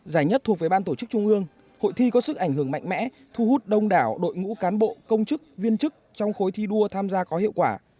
giải nhất thuộc về ban tổ chức trung ương hội thi có sức ảnh hưởng mạnh mẽ thu hút đông đảo đội ngũ cán bộ công chức viên chức trong khối thi đua tham gia có hiệu quả